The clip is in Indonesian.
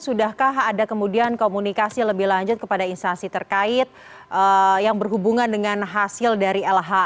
sudahkah ada kemudian komunikasi lebih lanjut kepada instansi terkait yang berhubungan dengan hasil dari lha